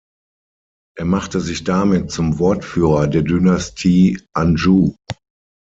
Er machte sich damit zum Wortführer der Dynastie Anjou.